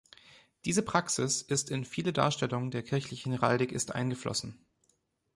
Diese Praxis ist in viele Darstellungen der kirchlichen Heraldik ist eingeflossen.